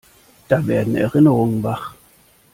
Da werden Erinnerungen wach.